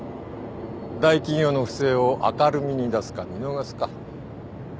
大企業の不正を明るみに出すか見逃すか。